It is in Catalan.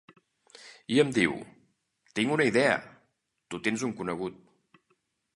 I em diu: Tinc una idea; tu tens un conegut.